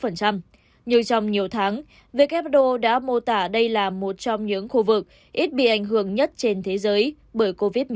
như trong nhiều tháng who đã mô tả đây là một trong những khu vực ít bị ảnh hưởng nhất trên thế giới bởi covid một mươi chín